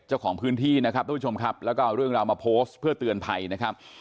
เจ้าของพื้นที่นะครับทุกผู้ชมครับแล้วก็เอาเรื่องราวมาโพสต์เพื่อเตือนภัยนะครับ